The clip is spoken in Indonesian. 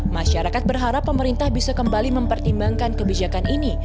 masyarakat berharap pemerintah bisa kembali mempertimbangkan kebijakan ini